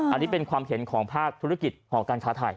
อันนี้เป็นความเห็นของภาคธุรกิจหอการค้าไทย